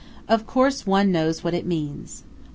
Of curse one knows what it means.